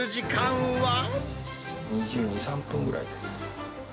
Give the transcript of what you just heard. ２２、３分ぐらいです。